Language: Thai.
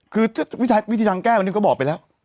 คือวิทยาลัยการแก้วันนี้ก็บอกไปแล้ว